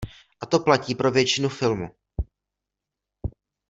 A to platí pro většinu filmu.